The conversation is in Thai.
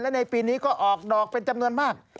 และในปีนี้ก็ออกดอกเป็นจำนวนมาก